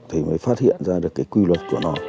thì mới phát hiện ra được cái quy luật của nó